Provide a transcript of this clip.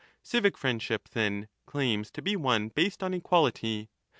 Civic friendship, then, claims to be one based on equality.